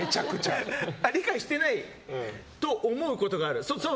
あ、理解してないと思うことがある。